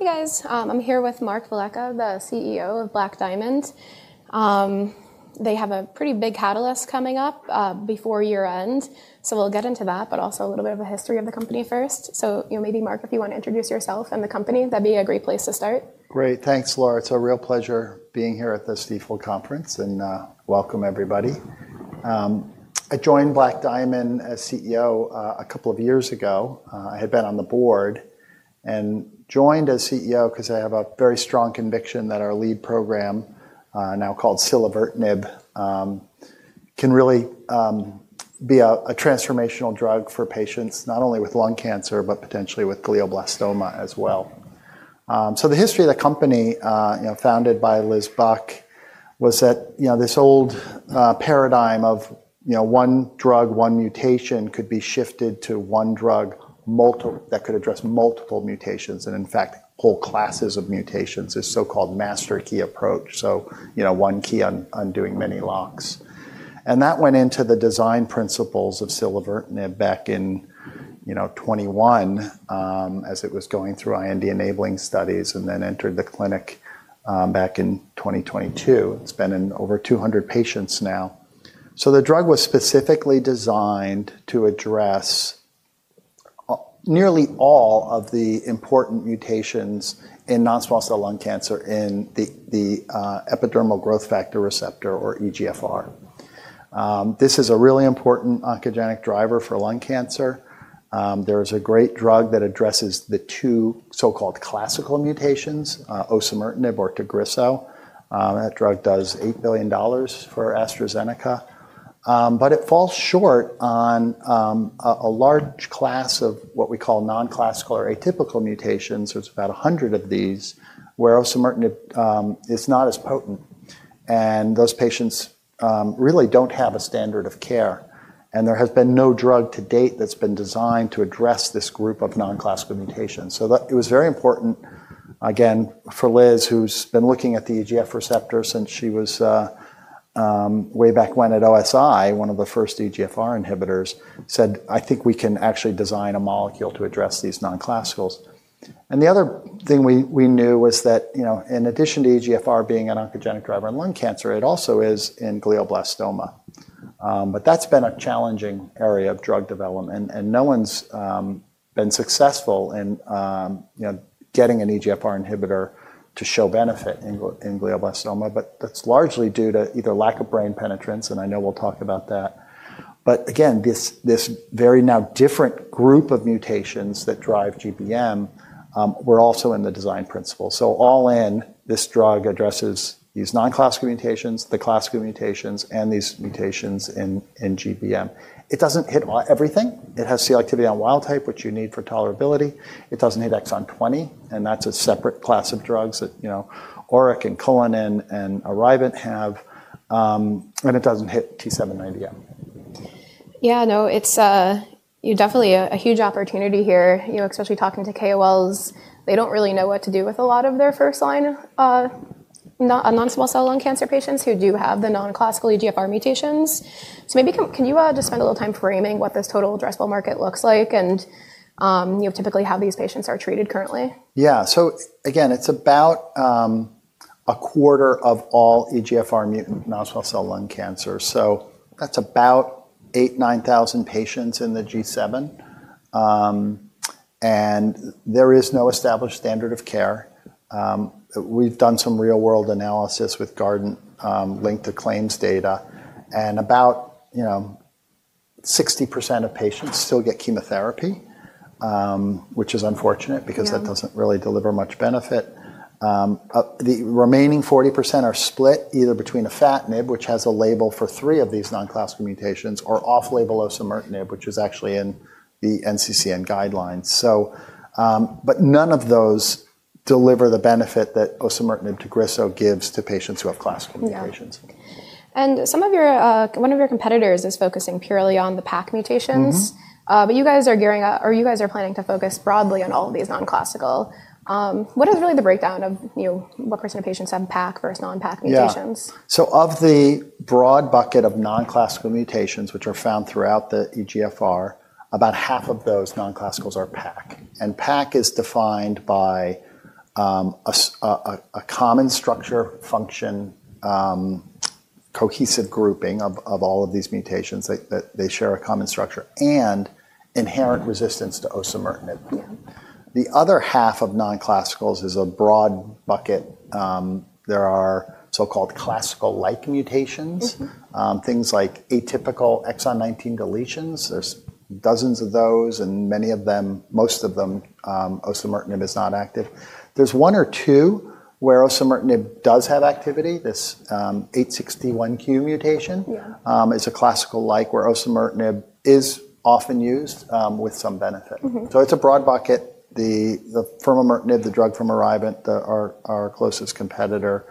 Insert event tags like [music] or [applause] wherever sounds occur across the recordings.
Hey guys, I'm here with Mark Velleca, the CEO of Black Diamond. They have a pretty big catalyst coming up before year-end, so we'll get into that, but also a little bit of a history of the company first. Maybe Mark, if you want to introduce yourself and the company, that'd be a great place to start. Great, thanks Laura. It's a real pleasure being here at this Deaf World Conference and welcome everybody. I joined Black Diamond as CEO a couple of years ago. I had been on the board and joined as CEO because I have a very strong conviction that our lead program, now called Silevertinib can really be a transformational drug for patients, not only with lung cancer, but potentially with glioblastoma as well. The history of the company, founded by Elizabeth Buck, was that this old paradigm of one drug, one mutation could be shifted to one drug that could address multiple mutations and, in fact, whole classes of mutations in a so-called master key approach. One key undoing many locks. That went into the design principles ofSilevertinib back in 2021 as it was going through IND enabling studies and then entered the clinic back in 2022. It's been in over 200 patients now. The drug was specifically designed to address nearly all of the important mutations in non-small cell lung cancer in the epidermal growth factor receptor, or EGFR. This is a really important oncogenic driver for lung cancer. There is a great drug that addresses the two so-called classical mutations, Osimertinib or Tagrisso. That drug does $8 billion for AstraZeneca. It falls short on a large class of what we call non-classical or atypical mutations. There are about 100 of these where osimertinib is not as potent. Those patients really do not have a standard of care. There has been no drug to date that has been designed to address this group of non-classical mutations. It was very important, again, for Liz, who's been looking at the EGFR receptor since she was way back when at OSI, one of the first EGFR inhibitors, said, "I think we can actually design a molecule to address these non-classicals." The other thing we knew was that in addition to EGFR being an oncogenic driver in lung cancer, it also is in glioblastoma. That has been a challenging area of drug development. No one's been successful in getting an EGFR inhibitor to show benefit in glioblastoma. That is largely due to either lack of brain penetrance, and I know we'll talk about that. Again, this very now different group of mutations that drive GBM were also in the design principle. All in, this drug addresses these non-classical mutations, the classical mutations, and these mutations in GBM. It doesn't hit everything. It has selectivity on wild type, which you need for tolerability. It does not hit exon 20. That is a separate class of drugs that ORIC [audio distortion] and Arivant have. It does not hit T790M. Yeah, no, it's definitely a huge opportunity here, especially talking to KOLs. They don't really know what to do with a lot of their first line non-small cell lung cancer patients who do have the non-classical EGFR mutations. Maybe can you just spend a little time framing what this total addressable market looks like and typically how these patients are treated currently? Yeah, so again, it's about a quarter of all EGFR-mutant non-small cell lung cancers. So that's about 8,000-9,000 patients in the G7. And there is no established standard of care. We've done some real-world analysis with Guardant linked to claims data. And about 60% of patients still get chemotherapy, which is unfortunate because that doesn't really deliver much benefit. The remaining 40% are split either between afatinib, which has a label for three of these non-classical mutations, or off-label osimertinib, which is actually in the NCCN guidelines. But none of those deliver the benefit that osimertinib Tagrisso gives to patients who have classical mutations. One of your competitors is focusing purely on the PACC mutations. You guys are planning to focus broadly on all of these non-classical. What is really the breakdown of what percentage of patients have PACC versus non-PACC mutations? Yeah, so of the broad bucket of non-classical mutations, which are found throughout the EGFR, about half of those non-classicals are PACC. And PACC is defined by a common structure function, cohesive grouping of all of these mutations. They share a common structure and inherent resistance to osimertinib. The other half of non-classicals is a broad bucket. There are so-called classical-like mutations, things like atypical exon 19 deletions. There's dozens of those. And many of them, most of them, osimertinib is not active. There's one or two where osimertinib does have activity. This 861Q mutation is a classical-like where osimertinib is often used with some benefit. It's a broad bucket. The furmonertinib, the drug from Arivant, our closest competitor,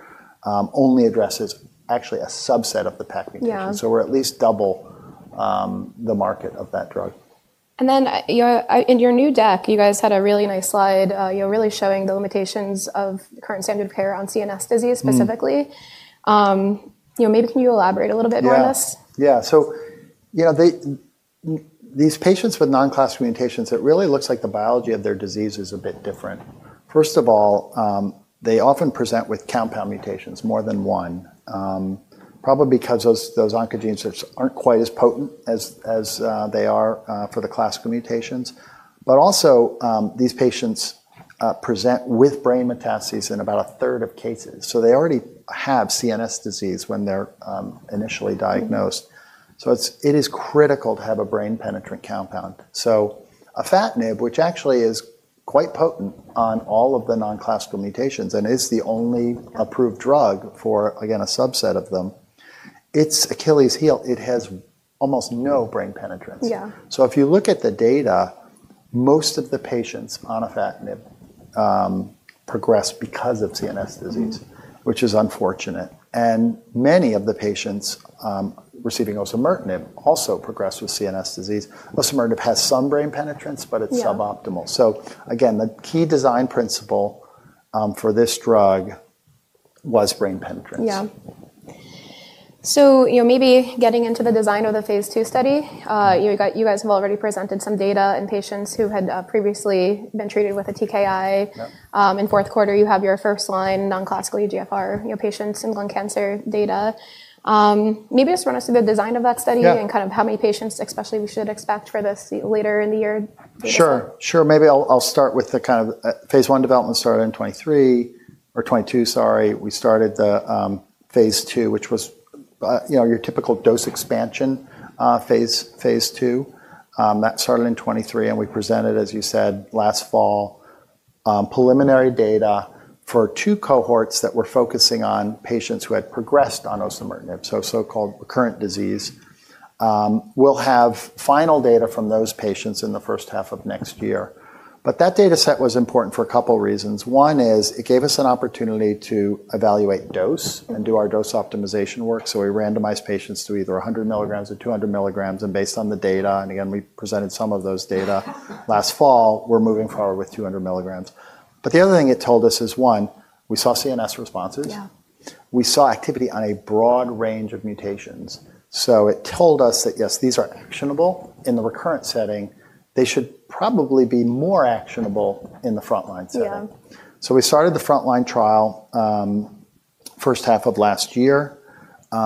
only addresses actually a subset of the PACC mutation. We're at least double the market of that drug. In your new deck, you guys had a really nice slide really showing the limitations of current standard of care on CNS disease specifically. Maybe can you elaborate a little bit more on this? Yeah, so these patients with non-classical mutations, it really looks like the biology of their disease is a bit different. First of all, they often present with compound mutations, more than one, probably because those oncogenes aren't quite as potent as they are for the classical mutations. Also, these patients present with brain metastases in about a third of cases. They already have CNS disease when they're initially diagnosed. It is critical to have a brain penetrant compound. Afatinib, which actually is quite potent on all of the non-classical mutations and is the only approved drug for, again, a subset of them, its Achilles' heel is it has almost no brain penetrance. If you look at the data, most of the patients on afatinib progress because of CNS disease, which is unfortunate. Many of the patients receiving osimertinib also progress with CNS disease. Osimertinib has some brain penetrance, but it's suboptimal. So again, the key design principle for this drug was brain penetrance. Yeah. So maybe getting into the design of the phase two study, you guys have already presented some data in patients who had previously been treated with a TKI. In fourth quarter, you have your first line non-classical EGFR patients in lung cancer data. Maybe just run us through the design of that study and kind of how many patients especially we should expect for this later in the year? Sure, sure. Maybe I'll start with the kind of phase one development started in 2023 or 2022, sorry. We started the phase two, which was your typical dose expansion phase two. That started in 2023. And we presented, as you said, last fall preliminary data for two cohorts that were focusing on patients who had progressed on Osimertinib, so so-called recurrent disease. We'll have final data from those patients in the first half of next year. That data set was important for a couple of reasons. One is it gave us an opportunity to evaluate dose and do our dose optimization work. We randomized patients to either 100 mg or 200 mg. Based on the data, and again, we presented some of those data last fall, we're moving forward with 200 mgs. The other thing it told us is, one, we saw CNS responses. We saw activity on a broad range of mutations. So it told us that, yes, these are actionable in the recurrent setting. They should probably be more actionable in the front line setting. We started the front line trial first half of last year.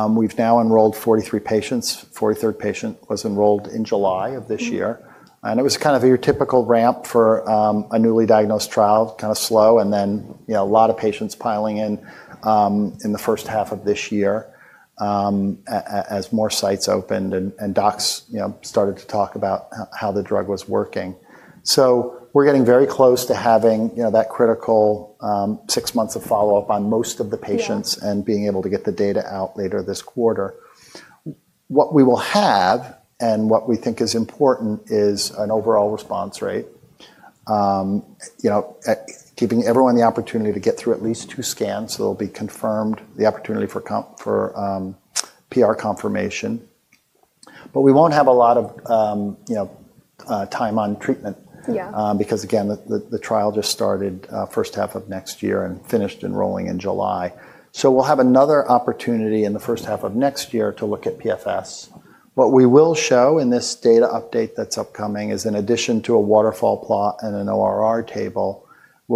We have now enrolled 43 patients. The 43rd patient was enrolled in July of this year. It was kind of a typical ramp for a newly diagnosed trial, kind of slow. Then a lot of patients piling in in the first half of this year as more sites opened and docs started to talk about how the drug was working. We are getting very close to having that critical six months of follow-up on most of the patients and being able to get the data out later this quarter. What we will have and what we think is important is an overall response rate, keeping everyone the opportunity to get through at least two scans so they'll be confirmed, the opportunity for PR confirmation. We won't have a lot of time on treatment because, again, the trial just started first half of next year and finished enrolling in July. We will have another opportunity in the first half of next year to look at PFS. What we will show in this data update that's upcoming is, in addition to a waterfall plot and an ORR table,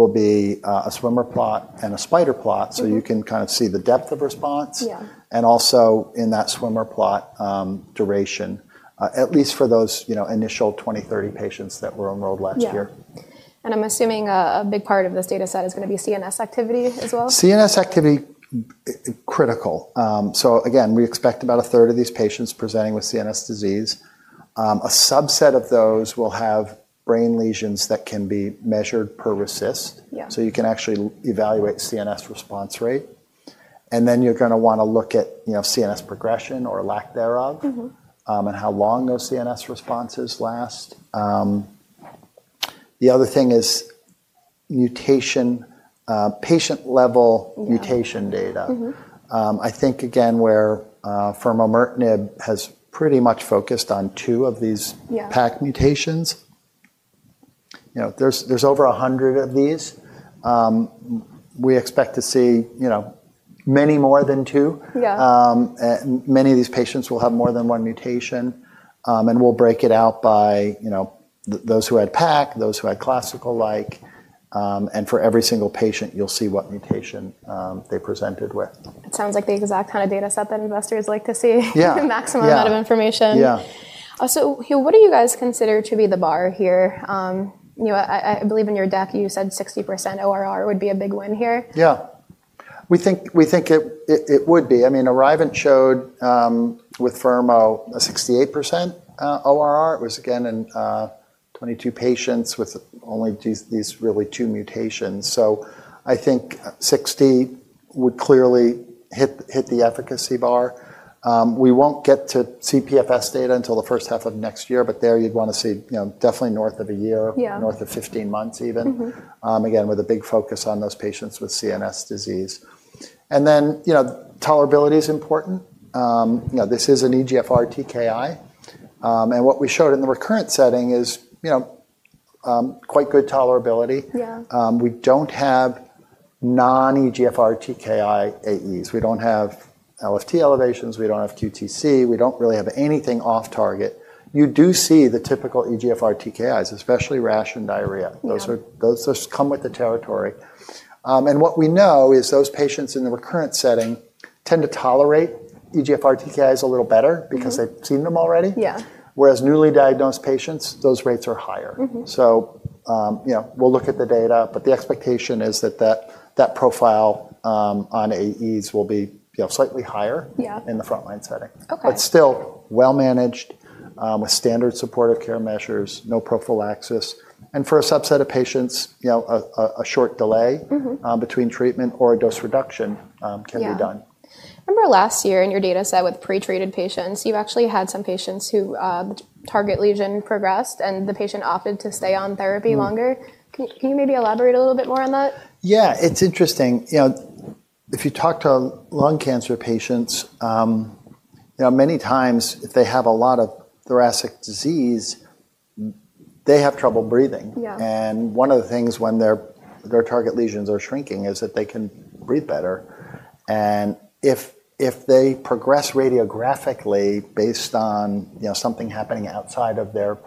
a swimmer plot and a spider plot. You can kind of see the depth of response. Also in that swimmer plot, duration, at least for those initial 20-30 patients that were enrolled last year. I'm assuming a big part of this data set is going to be CNS activity as well? CNS activity, critical. Again, we expect about a third of these patients presenting with CNS disease. A subset of those will have brain lesions that can be measured per RECIST. You can actually evaluate CNS response rate. You are going to want to look at CNS progression or lack thereof and how long those CNS responses last. The other thing is patient-level mutation data. I think, again, where furmonertinib has pretty much focused on two of these PACC mutations, there are over 100 of these. We expect to see many more than two. Many of these patients will have more than one mutation. We will break it out by those who had PACC, those who had classical-like. For every single patient, you will see what mutation they presented with. It sounds like the exact kind of data set that investors like to see, maximum amount of information. What do you guys consider to be the bar here? I believe in your deck, you said 60% ORR would be a big win here. Yeah, we think it would be. I mean, Arivant showed with Furmonertinib, a 68% ORR. It was again in 22 patients with only these really two mutations. I think 60 would clearly hit the efficacy bar. We will not get to CPFS data until the first half of next year. There, you would want to see definitely north of a year, north of 15 months even, again, with a big focus on those patients with CNS disease. Tolerability is important. This is an EGFR TKI. What we showed in the recurrent setting is quite good tolerability. We do not have non-EGFR TKI AEs. We do not have LFT elevations. We do not have QTC. We do not really have anything off target. You do see the typical EGFR TKIs, especially rash and diarrhea. Those come with the territory. What we know is those patients in the recurrent setting tend to tolerate EGFR TKIs a little better because they've seen them already. Whereas newly diagnosed patients, those rates are higher. We'll look at the data. The expectation is that that profile on AEs will be slightly higher in the front line setting, but still well managed with standard supportive care measures, no prophylaxis. For a subset of patients, a short delay between treatment or a dose reduction can be done. Remember last year in your data set with pretreated patients, you actually had some patients whose target lesion progressed and the patient opted to stay on therapy longer. Can you maybe elaborate a little bit more on that? Yeah, it's interesting. If you talk to lung cancer patients, many times if they have a lot of thoracic disease, they have trouble breathing. One of the things when their target lesions are shrinking is that they can breathe better. If they progress radiographically based on something happening outside of their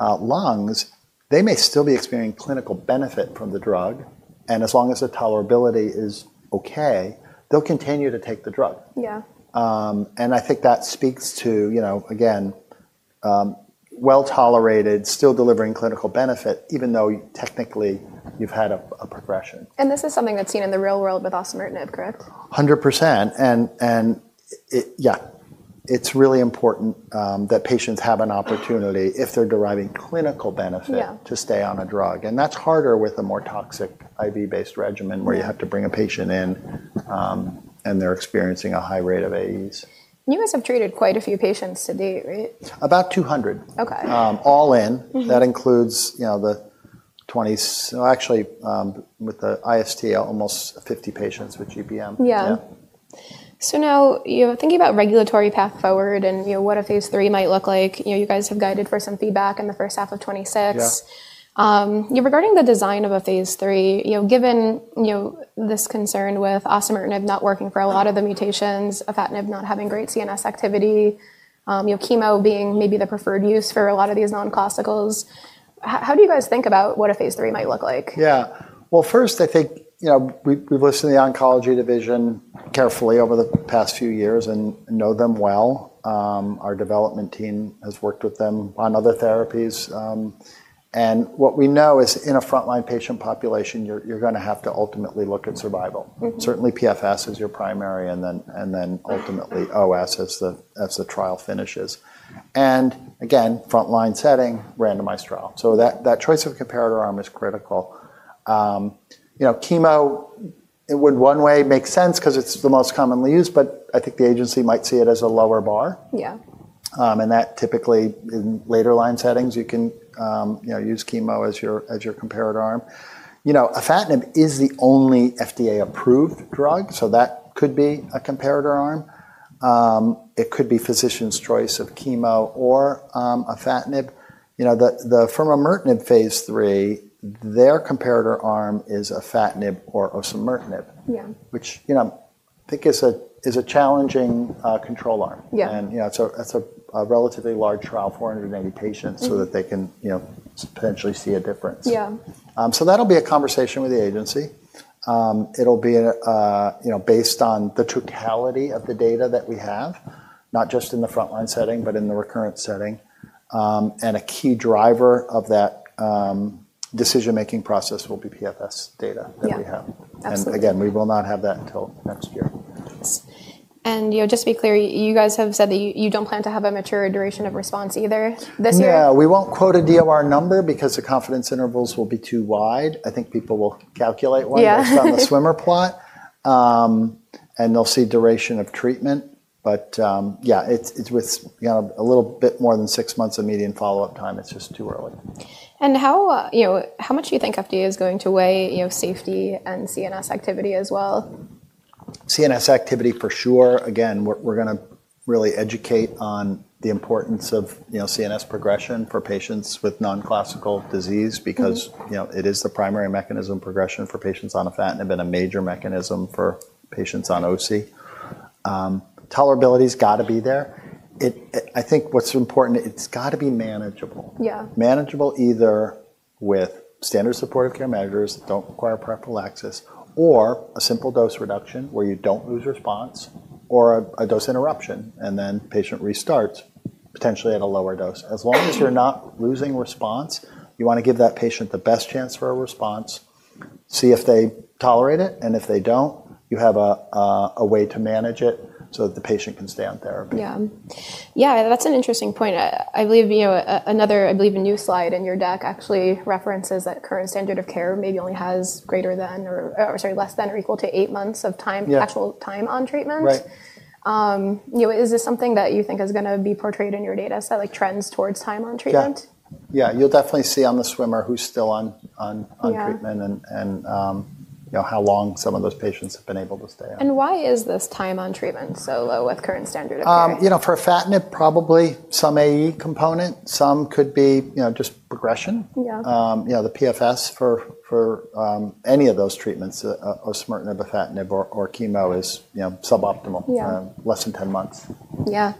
lungs, they may still be experiencing clinical benefit from the drug. As long as the tolerability is okay, they'll continue to take the drug. I think that speaks to, again, well tolerated, still delivering clinical benefit, even though technically you've had a progression. This is something that's seen in the real world with Osimertinib, correct? 100%. Yeah, it's really important that patients have an opportunity, if they're deriving clinical benefit, to stay on a drug. That's harder with a more toxic IV-based regimen where you have to bring a patient in and they're experiencing a high rate of AEs. You guys have treated quite a few patients to date, right? About 200, all in. That includes the 20, actually, with the IST, almost 50 patients with GBM. Yeah. So now thinking about regulatory path forward and what a phase three might look like, you guys have guided for some feedback in the first half of 2026. Regarding the design of a phase three, given this concern with osimertinib not working for a lot of the mutations, afatinib not having great CNS activity, chemo being maybe the preferred use for a lot of these non-classicals, how do you guys think about what a phase three might look like? Yeah, first, I think we've listened to the oncology division carefully over the past few years and know them well. Our development team has worked with them on other therapies. What we know is in a front line patient population, you're going to have to ultimately look at survival. Certainly, PFS is your primary and then ultimately OS as the trial finishes. Again, front line setting, randomized trial. That choice of comparator arm is critical. Chemo would in one way make sense because it's the most commonly used. I think the agency might see it as a lower bar. Typically in later line settings, you can use chemo as your comparator arm. Afatinib is the only FDA-approved drug, so that could be a comparator arm. It could be physician's choice of chemo or afatinib. The furmonertinib phase three, their comparator arm is afatinib or osimertinib, which I think is a challenging control arm. It's a relatively large trial, 480 patients, so that they can potentially see a difference. That'll be a conversation with the agency. It'll be based on the totality of the data that we have, not just in the front line setting, but in the recurrent setting. A key driver of that decision-making process will be PFS data that we have. Again, we will not have that until next year. Just to be clear, you guys have said that you don't plan to have a mature duration of response either this year? Yeah, we won't quote a DOR number because the confidence intervals will be too wide. I think people will calculate one based on the swimmer plot. They'll see duration of treatment. Yeah, it's with a little bit more than six months of median follow-up time. It's just too early. How much do you think FDA is going to weigh safety and CNS activity as well? CNS activity for sure. Again, we're going to really educate on the importance of CNS progression for patients with non-classical disease because it is the primary mechanism of progression for patients on Afatinib and a major mechanism for patients on OC. Tolerability has got to be there. I think what's important, it's got to be manageable. Manageable either with standard supportive care measures that don't require prophylaxis or a simple dose reduction where you don't lose response or a dose interruption. Patient restarts potentially at a lower dose. As long as you're not losing response, you want to give that patient the best chance for a response, see if they tolerate it. If they don't, you have a way to manage it so that the patient can stay on therapy. Yeah, yeah, that's an interesting point. I believe another, I believe a new slide in your deck actually references that current standard of care maybe only has less than or equal to eight months of actual time on treatment. Is this something that you think is going to be portrayed in your data set, like trends towards time on treatment? Yeah, yeah, you'll definitely see on the swimmer who's still on treatment and how long some of those patients have been able to stay on. Why is this time on treatment so low with current standard of care? For Afatinib, probably some AE component. Some could be just progression. The PFS for any of those treatments, osimertinib, Afatinib, or chemo is suboptimal, less than 10 months. Yeah.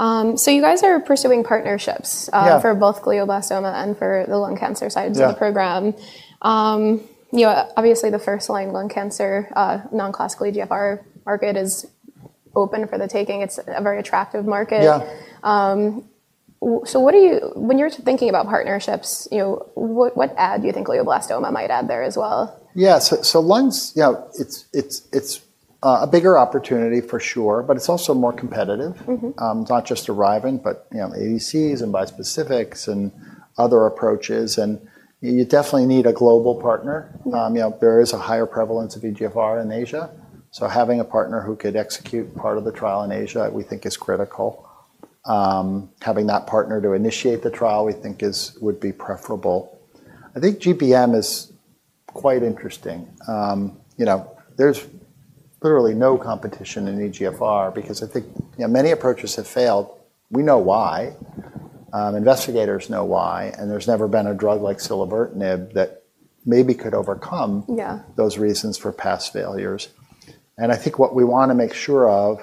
You guys are pursuing partnerships for both glioblastoma and for the lung cancer sides of the program. Obviously, the first line lung cancer, non-classical EGFR market is open for the taking. It is a very attractive market. When you are thinking about partnerships, what add do you think glioblastoma might add there as well? Yeah, lungs, it's a bigger opportunity for sure. It's also more competitive. It's not just Arivant, but ADCs and bispecifics and other approaches. You definitely need a global partner. There is a higher prevalence of EGFR in Asia. Having a partner who could execute part of the trial in Asia, we think is critical. Having that partner to initiate the trial, we think would be preferable. I think GBM is quite interesting. There's literally no competition in EGFR because many approaches have failed. We know why. Investigators know why. There's never been a drug likeSilevertinib that maybe could overcome those reasons for past failures. I think what we want to make sure of,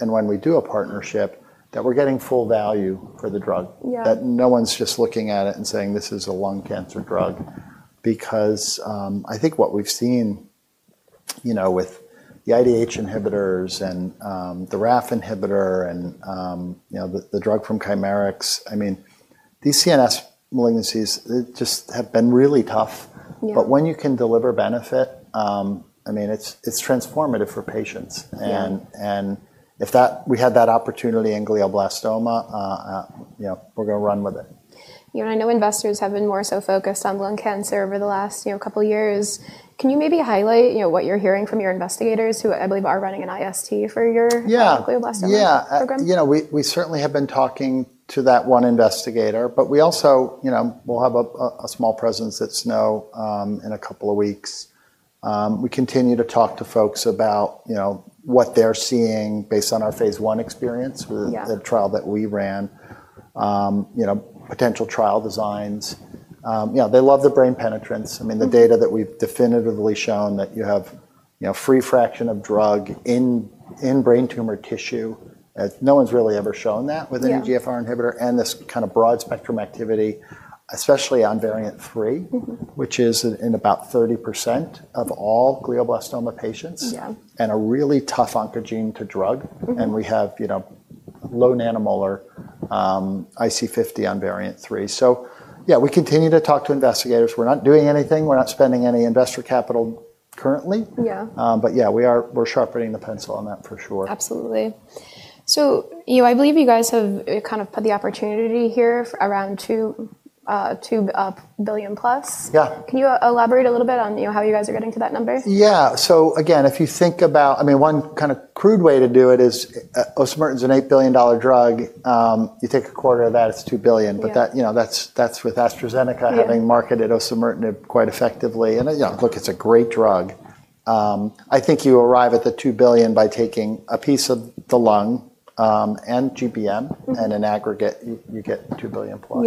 and when we do a partnership, that we're getting full value for the drug, that no one's just looking at it and saying, this is a lung cancer drug. I think what we've seen with the IDH inhibitors and the RAF inhibitor and the drug from Chimerix, I mean, these CNS malignancies, they just have been really tough. When you can deliver benefit, I mean, it's transformative for patients. If we had that opportunity in glioblastoma, we're going to run with it. I know investors have been more so focused on lung cancer over the last couple of years. Can you maybe highlight what you're hearing from your investigators who I believe are running an IST for your glioblastoma program? Yeah, yeah, we certainly have been talking to that one investigator. We also will have a small presence at SNO in a couple of weeks. We continue to talk to folks about what they're seeing based on our phase one experience with the trial that we ran, potential trial designs. They love the brain penetrance. I mean, the data that we've definitively shown that you have free fraction of drug in brain tumor tissue. No one's really ever shown that with an EGFR inhibitor and this kind of broad spectrum activity, especially on variant three, which is in about 30% of all glioblastoma patients and a really tough oncogene to drug. We have low nanomolar IC50 on variant three. Yeah, we continue to talk to investigators. We're not doing anything. We're not spending any investor capital currently. Yeah, we're sharpening the pencil on that for sure. Absolutely. I believe you guys have kind of had the opportunity here around $2 billion plus. Can you elaborate a little bit on how you guys are getting to that number? Yeah, so again, if you think about, I mean, one kind of crude way to do it is Osimertinib is an $8 billion drug. You take a quarter of that, it's $2 billion. But that's with AstraZeneca having marketed Osimertinib quite effectively. And look, it's a great drug. I think you arrive at the $2 billion by taking a piece of the lung and GBM. And in aggregate, you get $2 billion plus.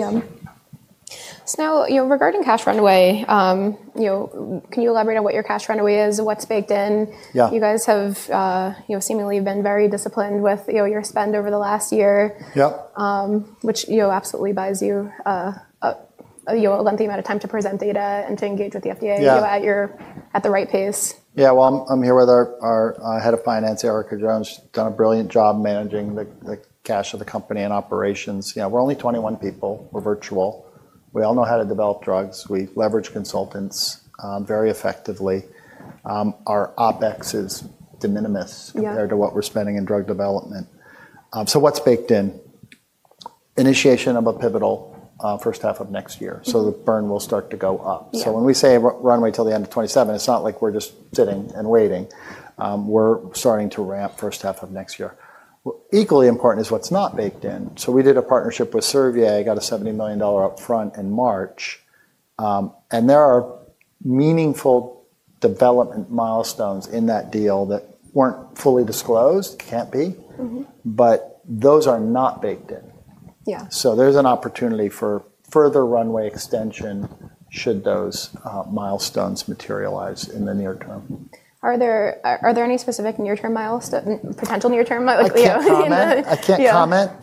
Yeah. So now regarding cash runway, can you elaborate on what your cash runway is, what's baked in? You guys have seemingly been very disciplined with your spend over the last year, which absolutely buys you a lengthy amount of time to present data and to engage with the FDA at the right pace. Yeah, I'm here with our Head of Finance, Erica Jones. She's done a brilliant job managing the cash of the company and operations. We're only 21 people. We're virtual. We all know how to develop drugs. We leverage consultants very effectively. Our OpEx is de minimis compared to what we're spending in drug development. What's baked in? Initiation of a pivotal first half of next year. The burn will start to go up. When we say runway till the end of 2027, it's not like we're just sitting and waiting. We're starting to ramp first half of next year. Equally important is what's not baked in. We did a partnership with Servier. I got a $70 million upfront in March. There are meaningful development milestones in that deal that were not fully disclosed. Can't be. Those are not baked in. There's an opportunity for further runway extension should those milestones materialize in the near term. Are there any specific near-term milestones, potential near-term milestones? I can't comment.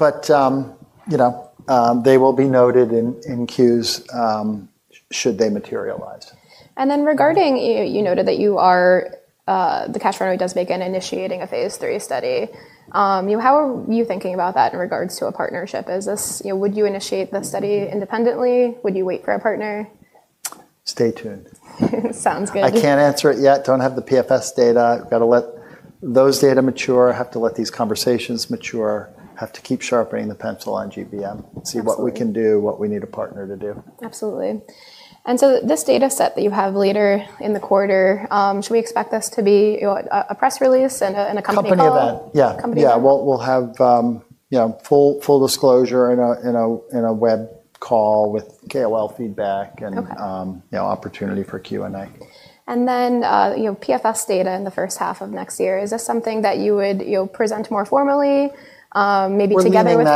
They will be noted in queues should they materialize. Regarding, you noted that the cash runway does begin initiating a phase three study. How are you thinking about that in regards to a partnership? Would you initiate the study independently? Would you wait for a partner? Stay tuned. Sounds good. I can't answer it yet. Don't have the PFS data. I've got to let those data mature. I have to let these conversations mature. I have to keep sharpening the pencil on GBM and see what we can do, what we need a partner to do. Absolutely. This data set that you have later in the quarter, should we expect this to be a press release and a company call? Company event. Yeah, yeah, we'll have full disclosure in a web call with KLO feedback and opportunity for Q&A. PFS data in the first half of next year, is this something that you would present more formally, maybe together with?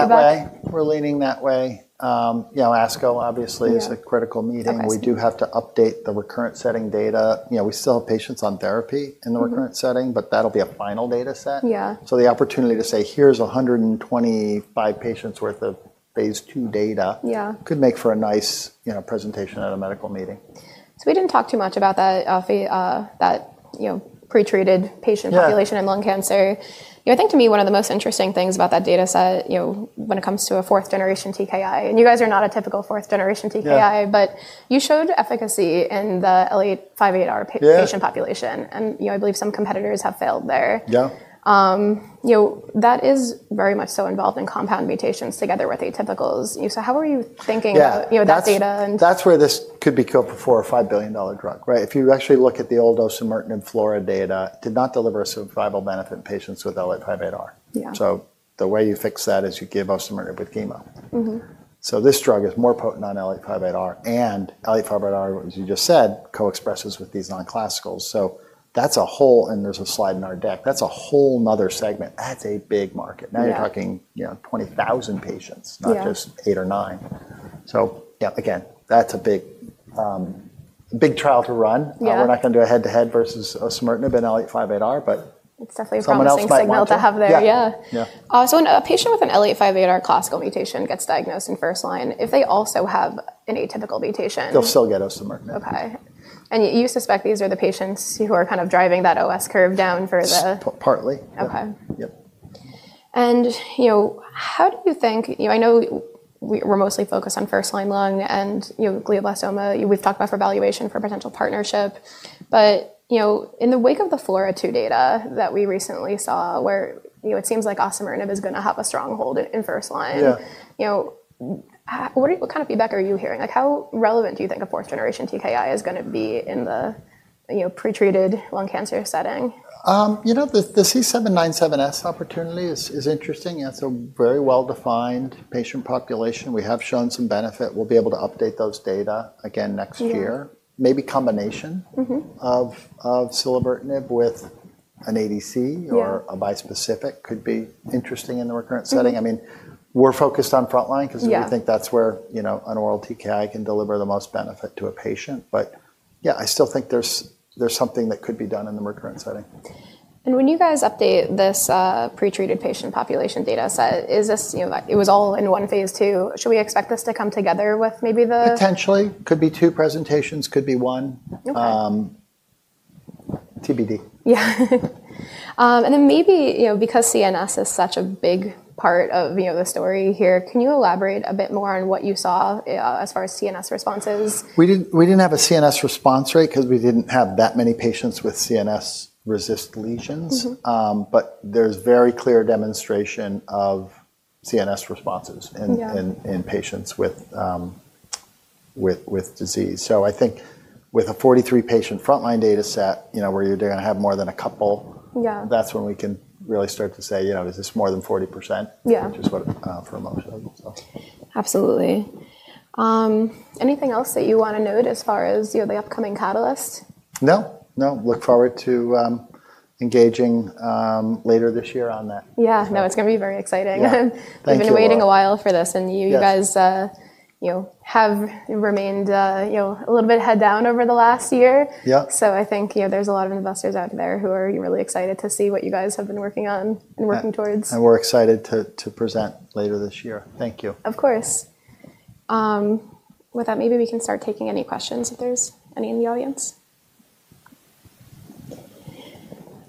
We're leaning that way. ASCO, obviously, is a critical meeting. We do have to update the recurrent setting data. We still have patients on therapy in the recurrent setting. That'll be a final data set. The opportunity to say, here's 125 patients' worth of phase 2 data could make for a nice presentation at a medical meeting. We did not talk too much about that pretreated patient population in lung cancer. I think to me, one of the most interesting things about that data set when it comes to a fourth-generation TKI, and you guys are not a typical fourth-generation TKI, but you showed efficacy in the L858R patient population. I believe some competitors have failed there. That is very much so involved in compound mutations together with atypicals. How are you thinking about that data? That's where this could be killed for a $4 billion or $5 billion drug, right? If you actually look at the old Osimertinib, Flora data, it did not deliver a survival benefit in patients with L858R. The way you fix that is you give Osimertinib with chemo. This drug is more potent on L858R. And L858R, as you just said, co-expresses with these non-classicals. That's a whole, and there's a slide in our deck. That's a whole nother segment. That's a big market. Now you're talking 20,000 patients, not just eight or nine. Yeah, again, that's a big trial to run. We're not going to do a head-to-head versus Osimertinib and L858R. But. It's definitely a positive signal to have there. Yeah. When a patient with an L858R classical mutation gets diagnosed in first line, if they also have an atypical mutation. They'll still get Osimertinib. Okay. You suspect these are the patients who are kind of driving that OS curve down for the. Partly. Okay. How do you think, I know we're mostly focused on first line lung and glioblastoma, we've talked about for evaluation for potential partnership. In the wake of the FLAURA2 data that we recently saw, where it seems like Osimertinib is going to have a strong hold in first line, what kind of feedback are you hearing? How relevant do you think a fourth-generation TKI is going to be in the pretreated lung cancer setting? You know, the C797S opportunity is interesting. It's a very well-defined patient population. We have shown some benefit. We'll be able to update those data again next year. Maybe combination of Thilo Brunner, with an ADC or a bispecific could be interesting in the recurrent setting. I mean, we're focused on front line because we think that's where an oral TKI can deliver the most benefit to a patient. Yeah, I still think there's something that could be done in the recurrent setting. When you guys update this pretreated patient population data set, it was all in one phase two. Should we expect this to come together with maybe the. Potentially. Could be two presentations. Could be one. TBD. Yeah. And then maybe because CNS is such a big part of the story here, can you elaborate a bit more on what you saw as far as CNS responses? We didn't have a CNS response rate because we didn't have that many patients with CNS resist lesions. But there's very clear demonstration of CNS responses in patients with disease. So I think with a 43 patient front line data set, where you're going to have more than a couple, that's when we can really start to say, is this more than 40%, which is what for most of them. Absolutely. Anything else that you want to note as far as the upcoming catalyst? No. No, look forward to engaging later this year on that. Yeah, no, it's going to be very exciting. I've been waiting a while for this. You guys have remained a little bit head down over the last year. I think there's a lot of investors out there who are really excited to see what you guys have been working on and working towards. We're excited to present later this year. Thank you. Of course. With that, maybe we can start taking any questions if there's any in the audience.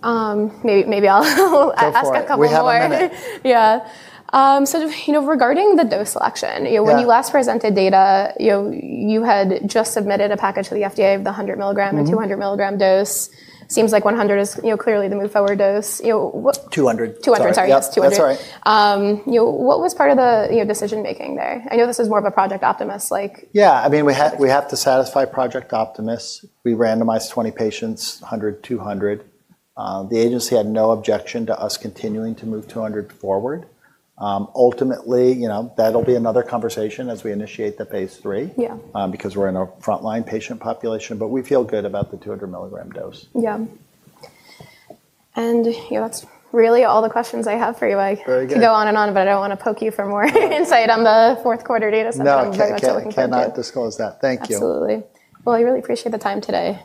Maybe I'll ask a couple more. Yeah. So regarding the dose selection, when you last presented data, you had just submitted a package to the FDA of the 100 mg and 200 mg dose. Seems like 100 is clearly the move forward dose. 200. 200, sorry. Yeah, that's right. What was part of the decision making there? I know this is more of a project optimist like. Yeah, I mean, we have to satisfy project optimists. We randomized 20 patients, 100, 200. The agency had no objection to us continuing to move 200 forward. Ultimately, that'll be another conversation as we initiate the phase three because we're in a front line patient population. We feel good about the 200 mg dose. Yeah. That is really all the questions I have for you. I could go on and on, but I do not want to poke you for more insight on the fourth quarter data set. No, I cannot disclose that. Thank you. Absolutely. I really appreciate the time today.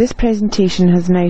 All right. Thanks for being. This presentation has now.